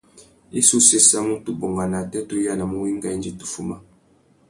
I sú séssamú tu bungana atê tu yānamú wenga indi tu fuma.